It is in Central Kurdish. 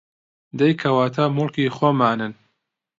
دەی کەواتە موڵکی خۆمانن